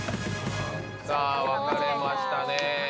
さぁ分かれましたね。